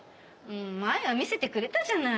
前は見せてくれたじゃない。